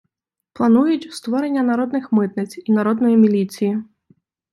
Планують: створення «народних митниць» і «народної міліції».